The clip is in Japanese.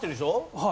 はい。